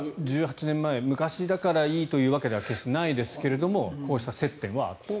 １８年前昔だからいいというわけでは決してないですがこうした接点はあった。